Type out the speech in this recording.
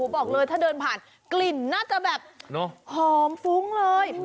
บอกเลยถ้าเดินผ่านกลิ่นน่าจะแบบหอมฟุ้งเลย